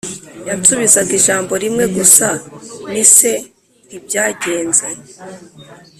yansubizaga ijambo rimwe gusa: “Ni se”. Nti: “Byagenze